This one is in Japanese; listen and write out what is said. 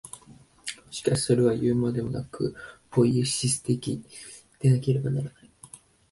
しかしそれはいうまでもなく、ポイエシス的でなければならない。